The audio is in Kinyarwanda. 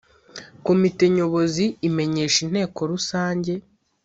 komite nyobozi imenyesha inteko rusange